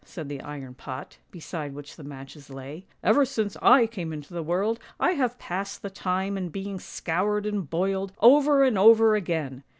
' said the iron pot, beside which the matches lay. ' Ever since I came into the world I have passed the time in being scoured and boiled, over and over again